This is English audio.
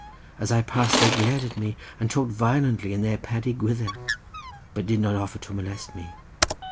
As I passed they glared at me and talked violently in their Paddy Gwyddel, but did not offer to molest me.